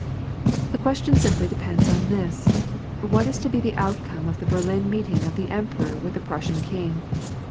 " The question simjily depends on this : what is to be the outcome of the Berlin meeting of the Emperor with the Prussian king.